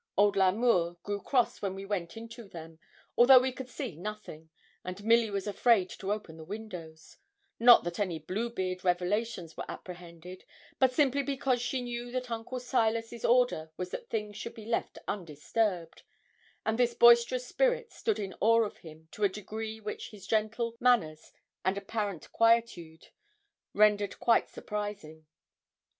Old L'Amour grew cross when we went into them, although we could see nothing; and Milly was afraid to open the windows not that any Bluebeard revelations were apprehended, but simply because she knew that Uncle Silas's order was that things should be left undisturbed; and this boisterous spirit stood in awe of him to a degree which his gentle manners and apparent quietude rendered quite surprising.